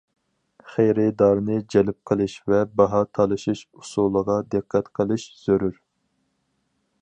خېرىدارنى جەلپ قىلىش ۋە باھا تالىشىش ئۇسۇلىغا دىققەت قىلىش زۆرۈر.